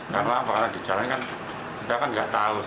karena apa karena dijalankan kita kan tidak tahu sih